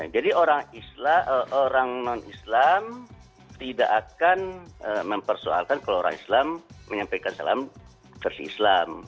jadi orang non islam tidak akan mempersoalkan kalau orang islam menyampaikan salam versi islam